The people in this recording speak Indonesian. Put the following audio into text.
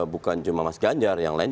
bukan cuma mas ganjar yang lain